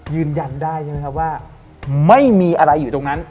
ยืนยันได้ใช่ไหมครับว่าไม่มีอะไรอยู่ตรงนั้น